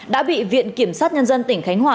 đã bị viện kiểm sát nhân dân tỉnh khánh hòa